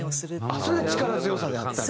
それが力強さであったり？